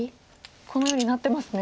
このようになってますね。